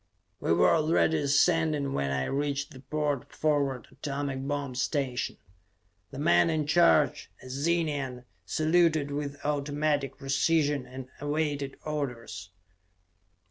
We were already ascending when I reached the port forward atomic bomb station. The man in charge, a Zenian, saluted with automatic precision and awaited orders.